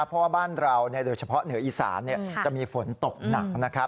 เพราะว่าบ้านเราโดยเฉพาะเหนืออีสานจะมีฝนตกหนักนะครับ